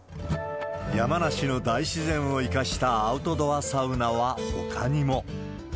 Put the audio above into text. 山梨の大自然を生かしたアウトドアサウナはほかにも。